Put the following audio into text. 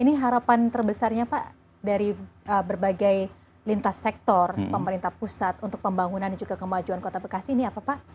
ini harapan terbesarnya pak dari berbagai lintas sektor pemerintah pusat untuk pembangunan dan juga kemajuan kota bekasi ini apa pak